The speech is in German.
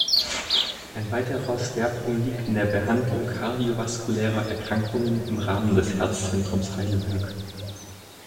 Ein weiterer Schwerpunkt liegt in der Behandlung kardiovaskulärer Erkrankungen im Rahmen des Herzzentrums Heidelberg.